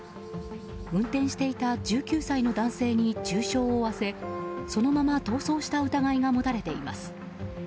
運転していた１９歳の男性に重傷を負わせそのまま逃走した疑いが持たれています。